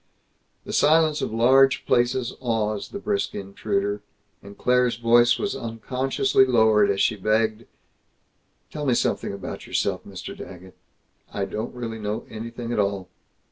The silence of large places awes the brisk intruder, and Claire's voice was unconsciously lowered as she begged, "Tell me something about yourself, Mr. Daggett. I don't really know anything at all."